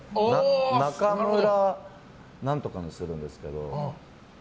中村なんとかにするんですけど。